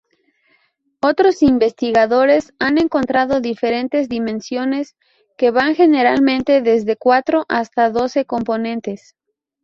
Otros investigadores han encontrado diferentes dimensiones, que van generalmente desde cuatro hasta doce componentes.